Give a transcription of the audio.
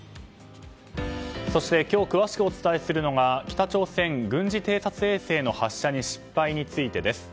そして、今日詳しくお伝えするのが北朝鮮、軍事偵察衛星の発射に失敗についてです。